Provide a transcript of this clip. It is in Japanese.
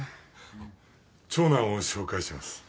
長男を紹介します。